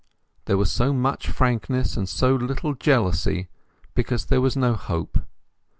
There was so much frankness and so little jealousy because there was no hope.